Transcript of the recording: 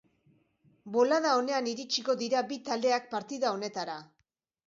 Bolada onean iritsiko dira bi taldeak partida honetara.